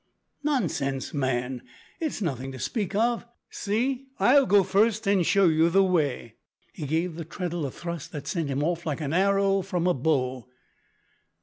"Nonsense, man, it's nothing to speak of; see, I'll go first and show you the way." He gave the treadle a thrust that sent him off like an arrow from a bow.